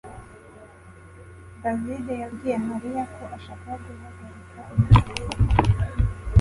davide yabwiye mariya ko ashaka guhagarika amasezerano